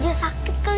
gigi gak di ayudar